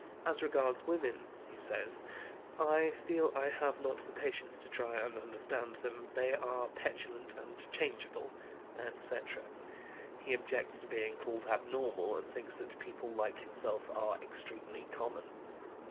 "As regards women," he says, "I feel I have not the patience to try and understand them; they are petulant and changeable," etc. He objects to being called "abnormal," and thinks that people like himself are "extremely common."